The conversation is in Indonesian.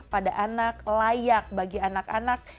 pada anak layak bagi anak anak